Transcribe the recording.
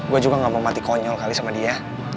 gue juga gak mau mati konyol kali sama dia